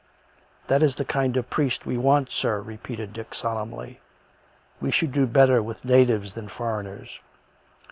" That is the kind of priest we want, sir," repeated Dick solemnly. " We should do better with natives than foreigners.